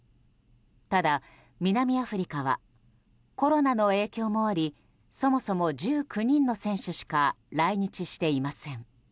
ただ、南アフリカはコロナの影響もありそもそも１９人の選手しか来日していません。